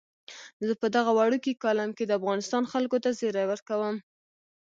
زه په دغه وړوکي کالم کې د افغانستان خلکو ته زیری ورکوم.